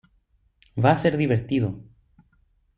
Va a ser divertido".